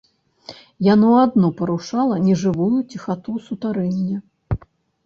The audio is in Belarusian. Яно адно парушала нежывую ціхату сутарэння.